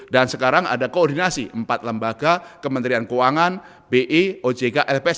dan sekarang ada koordinasi empat lembaga kementerian keuangan bi ojk lps